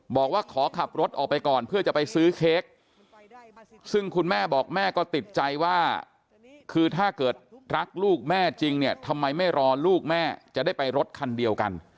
บอกว่าขอขับรถออกไปก่อนเพื่อจะไปซื้อเค้กซึ่งคุณแม่บอกแม่ก็ติดใจว่าคือถ้าเกิดรักลูกแม่จริงเนี่ยทำไมไม่รอลูกแม่จะได้ไปรถคันเดียวกัน